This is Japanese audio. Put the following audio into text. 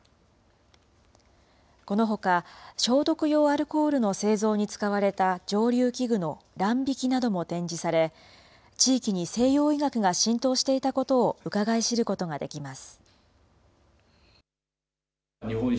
このほか消毒用アルコールの製造に使われた蒸留器具のらん引なども展示され、地域に西洋医学が浸透していたことをうかがい知ることができます。